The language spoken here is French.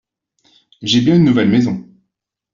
J’ai bien une nouvelle maison.